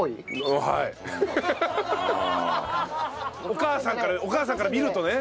お母さんからお母さんから見るとね。